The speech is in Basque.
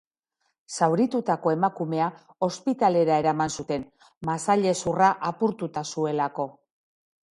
Zauritutako emakumea ospitalera eraman zuten, masailezurra apurtuta zuelako.